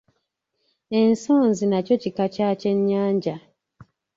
Ensonzi nakyo kika kya kyennyanja.